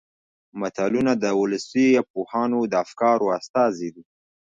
متلونه د ولسي پوهانو د افکارو استازي دي